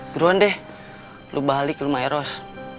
beruan deh lo balik ke rumah eros